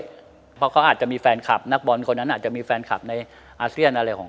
เพราะเขาอาจจะมีแฟนคลับนักบอลคนนั้นอาจจะมีแฟนคลับในอาเซียนอะไรของ